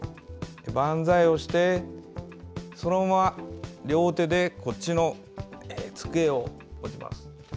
バンザイをして、そのまま両手でこっちを持ちます。